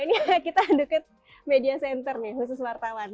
ini kita deket media center nih khusus wartawan